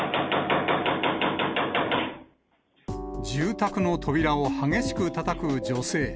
住宅の扉を激しくたたく女性。